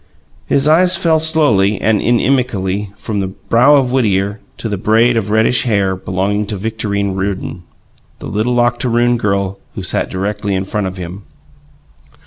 His eyes fell slowly and inimically from the brow of Whittier to the braid of reddish hair belonging to Victorine Riordan, the little octoroon girl who sat directly in front of him.